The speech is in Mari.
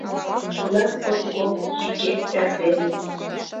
Кунам ом кол йÿкет эрдене –